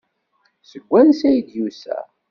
Seg wansi ay d-yusa?